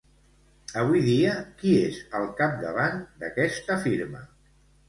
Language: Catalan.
Avui dia, qui és al capdavant d'aquesta firma?